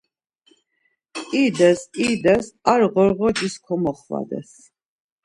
İdes ides ar ğorğocis komoxvades.